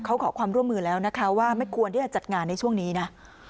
เขาขอความร่วมมือแล้วนะคะว่าไม่ควรที่จะจัดงานในช่วงนี้นะ